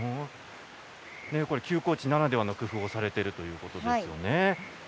休耕地ならではの工夫をされているということですね。